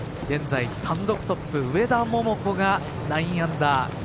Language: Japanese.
現在単独トップ上田桃子が９アンダー。